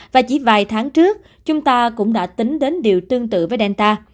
và chỉ vài tháng trước chúng ta cũng đã tính đến điều tương tự với delta